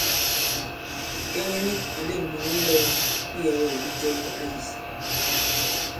Ŋ̀kɛŋɛ nik ǎ lɛ̄k ŋ̀nyɔ̌ ilɔ̄w iyɛ̄wɛ̂kdi cɛ ki ā yī.